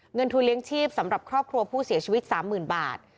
เงินทุนเลี้ยงชีพสำหรับครอบครัวผู้เสียชีวิต๓๐๐๐บาท